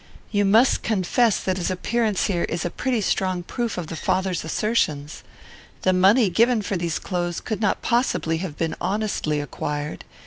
You must confess that his appearance here is a pretty strong proof of the father's assertions. The money given for these clothes could not possibly have been honestly acquired.